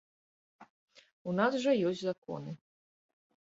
У нас жа ёсць законы.